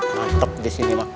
mantap disini mak